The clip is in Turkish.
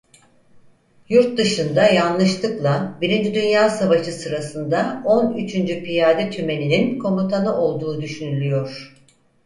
Yurtdışında yanlışlıkla birinci Dünya Savaşı sırasında on üçüncü Piyade tümeninin komutanı olduğu düşünülüyor.